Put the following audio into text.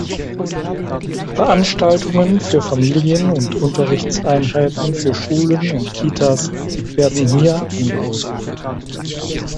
Veranstaltungen für Familien und Unterrichtseinheiten für Schulen und Kitas werden hier angeboten.